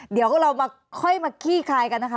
เดี๋ยวเรามาค่อยมาขี้คายกันนะคะ